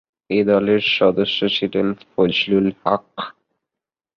এ দলের সদস্য ছিলেন ফজলুল হক।